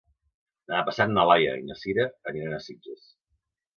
Demà passat na Laia i na Sira aniran a Sitges.